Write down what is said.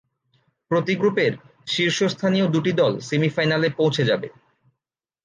প্রতি গ্রুপের শীর্ষস্থানীয় দু'টি দল সেমি-ফাইনালে পৌঁছে যাবে।